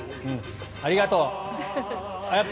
ありがとう。